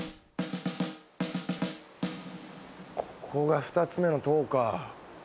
ここが２つ目の塔か。